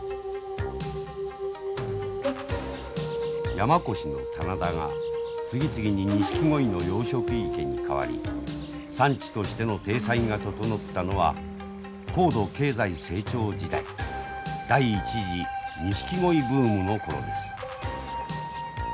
山古志の棚田が次々にニシキゴイの養殖池に変わり産地としての体裁が整ったのは高度経済成長時代第１次ニシキゴイブームの頃です。